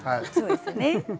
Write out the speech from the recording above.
そうですね。